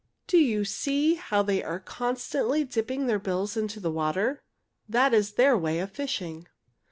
Do you see how they are constantly dipping their bills into the water? That is their way of fishing.